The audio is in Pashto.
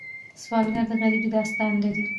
سوالګر د غریبۍ داستان لري